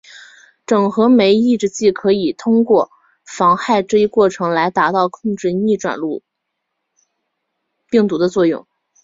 整合酶抑制剂可以通过妨害这一过程来达到控制逆转录病毒的作用。